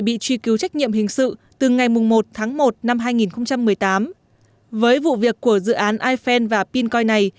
bị truy cứu trách nhiệm hình sự từ ngày một tháng một năm hai nghìn một mươi tám với vụ việc của dự án iphen và pincoin này